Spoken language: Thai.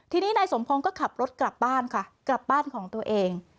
ทีนี้นายสมพงศ์ก็ขับรถกลับบ้านค่ะกลับบ้านของตัวเอง